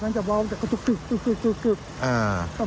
มันจะว้าว